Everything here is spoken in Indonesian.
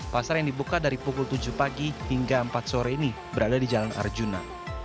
pasar yang dibuka dari pukul tujuh pagi hingga empat sore ini berada di jalan arjuna